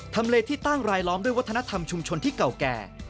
เลที่ตั้งรายล้อมด้วยวัฒนธรรมชุมชนที่เก่าแก่